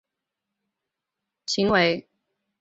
该位使用者仍然可以创建一个新帐号继续他的行为。